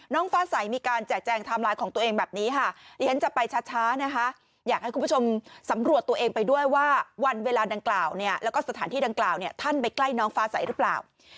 ฟ้าใสมีการแจกแจงไทม์ไลน์ของตัวเองแบบนี้ค่ะดิฉันจะไปช้านะคะอยากให้คุณผู้ชมสำรวจตัวเองไปด้วยว่าวันเวลาดังกล่าวเนี่ยแล้วก็สถานที่ดังกล่าวเนี่ยท่านไปใกล้น้องฟ้าใสหรือเปล่า